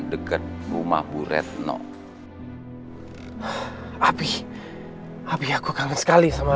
dekat rumah bu retno api tapi aku kangen sekali sama